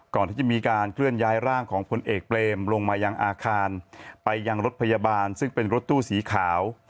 ก่อนที่จะมีการเคลื่อนย้ายร่างของพลเอกเปรมลงมายังอาคารไปยังรถพยาบาลซึ่งเป็นรถตู้สีขาว